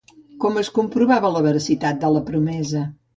Com es comprovava la veracitat de la promesa?